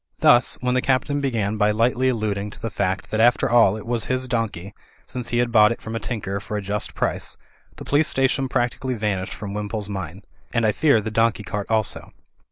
Thus, when the Captain began by lightly alluding to the fact that after all it was his donkey, since he had bought it from a tinker for a just price, the police station practically vanished from Wimpole's mind — and I fear the donkey cart also.